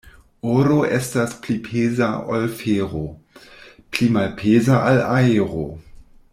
Oro estas pli peza ol fero, pli malpeza ol aero.